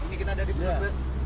ini kita ada di brebes